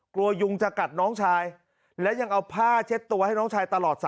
ยุงจะกัดน้องชายและยังเอาผ้าเช็ดตัวให้น้องชายตลอด